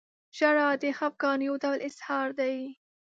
• ژړا د خفګان یو ډول اظهار دی.